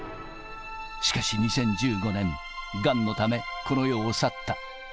しかし２０１５年、がんのため、この世を去った。